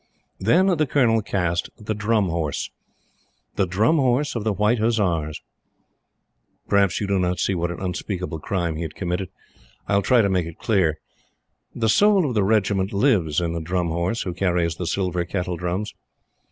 Then the Colonel cast the Drum Horse the Drum Horse of the White Hussars! Perhaps you do not see what an unspeakable crime he had committed. I will try to make it clear. The soul of the Regiment lives in the Drum Horse, who carries the silver kettle drums.